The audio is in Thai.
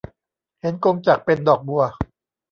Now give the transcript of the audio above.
เห็นกงจักรเป็นดอกบัว